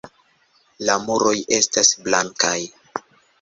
La muroj estas blankaj.